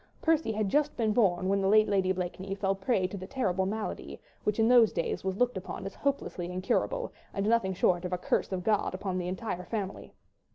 Percy had just been born when the late Lady Blakeney fell a prey to the terrible malady which in those days was looked upon as hopelessly incurable and nothing short of a curse of God upon the entire family.